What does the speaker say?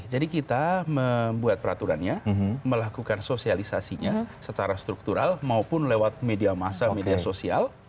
jadi kita membuat peraturannya melakukan sosialisasinya secara struktural maupun lewat media massa media sosial